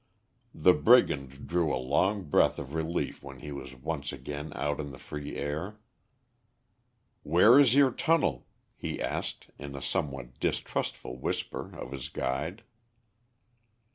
The brigand drew a long breath of relief when he was once again out in the free air. "Where is your tunnel?" he asked, in a somewhat distrustful whisper of his guide.